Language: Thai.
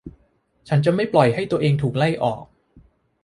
ฉันจะไม่ปล่อยให้ตัวเองถูกไล่ออก